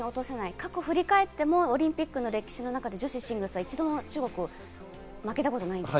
過去振り返ってもオリンピックの歴史で女子シングルスは、中国は１回も負けたことがないんです。